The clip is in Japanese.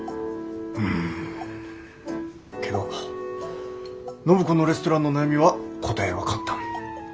うんけど暢子のレストランの悩みは答えは簡単。